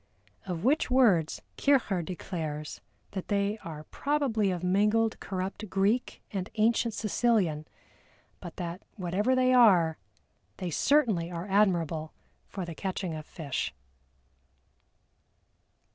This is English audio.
Of which words Kircher declares that they are probably of mingled corrupt Greek and ancient Sicilian, but that whatever they are, they certainly are admirable for the catching of fish.